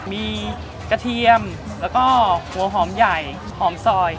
มีกระเทียมแล้วก็หัวหอมใหญ่หอมซอย